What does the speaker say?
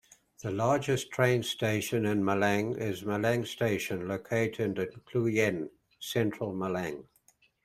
The largest train station in Malang is Malang Station, located in Klojen, Central Malang.